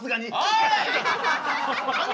おい！